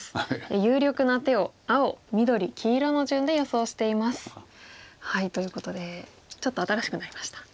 有力な手を青緑黄色の順で予想しています。ということでちょっと新しくなりました。